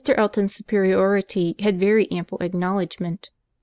Elton's superiority had very ample acknowledgment.